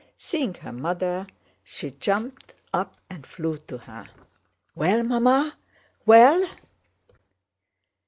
Seeing her mother she jumped up and flew to her. "Well, Mamma?... Well?..."